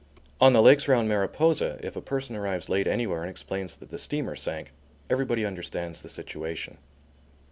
On the lakes round Mariposa, if a person arrives late anywhere and explains that the steamer sank, everybody understands the situation.